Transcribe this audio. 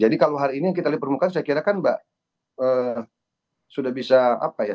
jadi kalau hari ini kita di permukaan saya kira kan mbak sudah bisa melihat ya